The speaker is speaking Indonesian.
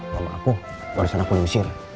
mama aku barusan aku diusir